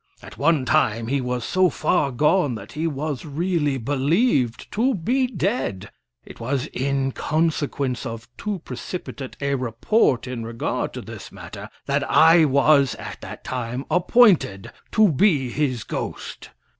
At one time he was so far gone that he was really believed to be dead. It was in consequence of too precipitate a report in regard to this matter that I was, at that time, appointed to be his ghost.